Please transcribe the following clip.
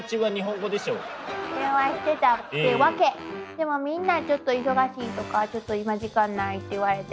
でもみんなちょっと忙しいとかちょっと今時間ないって言われて。